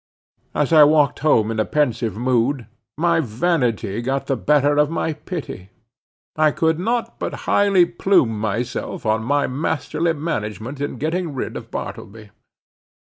As I walked home in a pensive mood, my vanity got the better of my pity. I could not but highly plume myself on my masterly management in getting rid of Bartleby.